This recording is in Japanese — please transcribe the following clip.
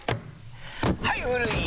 はい古い！